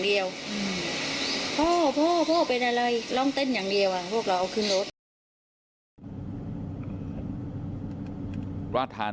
แล้วก็ช่วยกันนำนายธีรวรรษส่งโรงพยาบาล